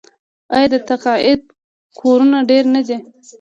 آیا د تقاعد کورونه ډیر نه دي؟